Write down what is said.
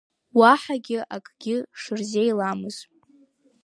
Уаҳагьы акгьы шырзеиламыз…